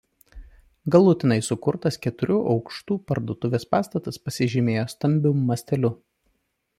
Galutinai sukurtas keturių aukštų parduotuvės pastatas pasižymėjo stambiu masteliu.